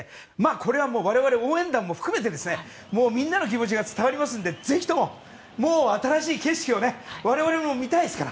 これはもう我々応援団も含めてみんなの気持ちが伝わりますのでぜひとも新しい景色を我々も見たいですから。